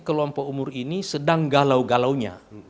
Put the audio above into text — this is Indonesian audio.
kelompok umur ini sedang galau galaunya